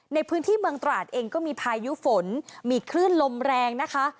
ในพื้นที่เมืองตราดเองก็มีพายุฝนมีคลื่นลมแรงนะคะ